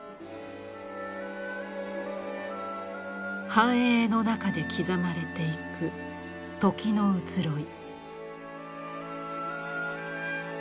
繁栄の中で刻まれていく「時」の移ろい。